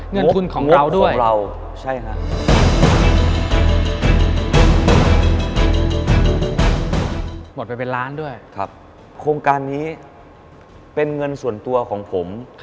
เงินทุนของเราด้วยใช่ครับมดไปเป็นล้านด้วยครับโครงการนี้เป็นเงินส่วนตัวของผม